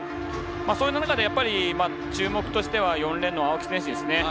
そういった中でやはり注目としては４レーンの青木選手ですね。